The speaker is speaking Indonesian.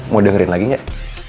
mau dengerin lagi gak